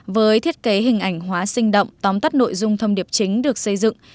với thiết kế hình ảnh hóa sinh động tóm tắt nội dung thông điệp chính được xây dựng